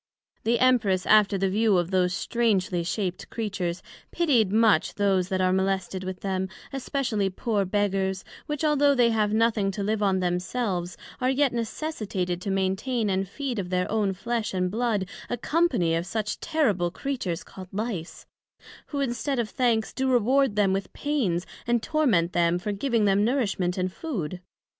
The Empress, after the view of those strangely shaped Creatures, pitied much those that are molested with them, especially poor Beggars, which although they have nothing to live on themselves, are yet necessitated to maintain and feed of their own flesh and blood, a company of such terrible Creatures called Lice; who, instead of thanks, do reward them with pains, and torment them for giving them nourishment and food.